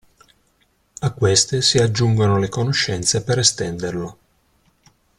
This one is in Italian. A queste si aggiungono le conoscenze per estenderlo.